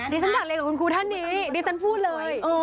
ดีฉันทักเรียนกับคุณครูเธอนี้ดีฉันพูดเลย